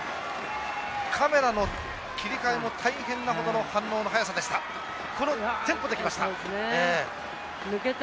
カメラの切り替えも大変なほどの反応の速さでした。